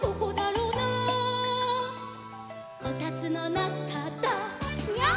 「こたつのなかだニャー」